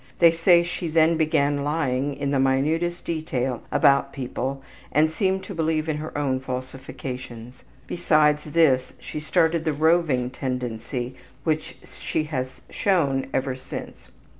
They say she then began lying in the minutest detail about people and seemed to believe in her own falsifications. Besides this she started the roving tendency which she has shown ever since.